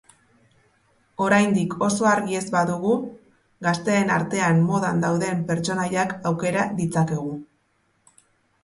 Oraindik oso argi ez badugu, gazteen artean modan dauden pertsonaiak aukera ditzakegu.